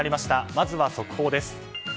まずは速報です。